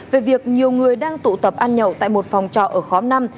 về việc nhiều người đang tụ tập ăn nhậu tại một phòng trọ ở khóm năm